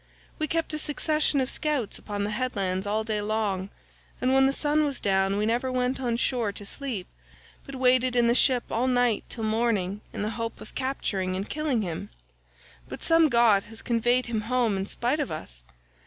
We kept a succession of scouts upon the headlands all day long, and when the sun was down we never went on shore to sleep, but waited in the ship all night till morning in the hope of capturing and killing him; but some god has conveyed him home in spite of us.